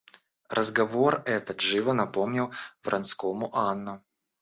Разговор этот живо напомнил Вронскому Анну.